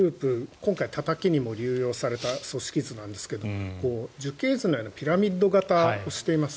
今回、たたきにも流用された組織図なんですが樹形図のようなピラミッド型をしています。